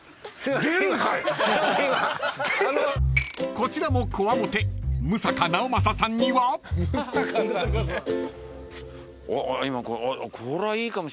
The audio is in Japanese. ［こちらもこわもて六平直政さんには］これはいいかも。